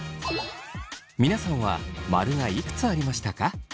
皆さんはマルがいくつありましたか？